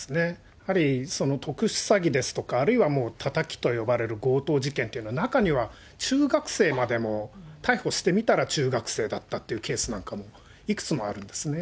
やはり特殊詐欺ですとか、あるいはたたきと呼ばれる強盗事件というのは、中には、中学生までも、逮捕してみたら、中学生だったっていうケースなんかもいくつもあるんですね。